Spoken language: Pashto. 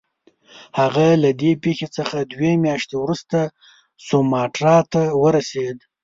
هغه له دې پیښې څخه دوې میاشتې وروسته سوماټرا ته ورسېد.